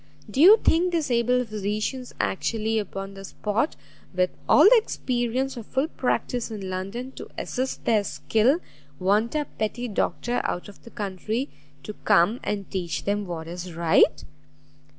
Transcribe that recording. Do you think these able physicians actually upon the spot, with all the experience of full practice in London to assist their skill, want a petty Doctor out of the country to come and teach them what is right?"